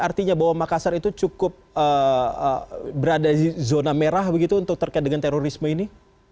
artinya bahwa makassar itu cukup berada di zona merah begitu untuk terkait dengan terorisme ini